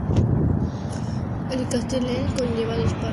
El Castellet conlleva dos partes: el Castellet grande y el Castellet pequeño.